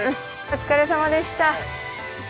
お疲れさまでした。